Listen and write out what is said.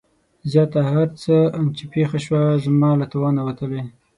زياته هر څه چې پېښه شوه زما له توانه وتلې.